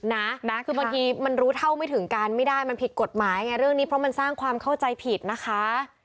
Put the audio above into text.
นะคือบางทีมันรู้เท่าไม่ถึงการไม่ได้มันผิดกฎหมายไงเรื่องนี้เพราะมันสร้างความเข้าใจผิดนะคะ